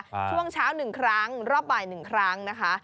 ช่วงเช้า๑ครั้งรอบบ่าย๑ครั้งนะคะ